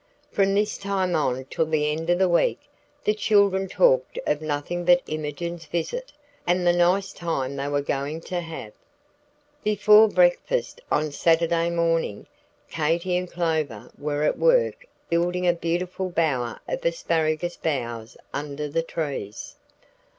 From this time on till the end of the week, the children talked of nothing but Imogen's visit, and the nice time they were going to have. Before breakfast on Saturday morning, Katy and Clover were at work building a beautiful bower of asparagus boughs under the trees.